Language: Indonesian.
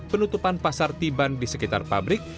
penutupan pasar tiban di sekitar pabrik